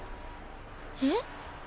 えっ？